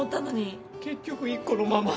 結局１個のまま。